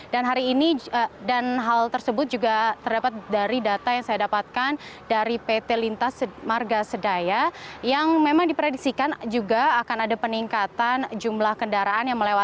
dan hal tersebut juga terdapat dari data yang saya dapatkan dari pt lintas marga sedaya yang memang diprediksikan juga akan ada peningkatan jumlah kendaraan yang melewati